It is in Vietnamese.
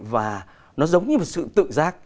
và nó giống như một sự tự giác